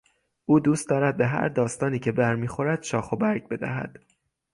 او دوست دارد به هر داستانی که برمیخورد شاخ و برگ بدهد.